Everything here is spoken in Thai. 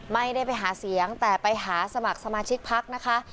ไม่ได้ไปหาเสียงแต่ไปหาสมัครสมาชิกพักนะคะ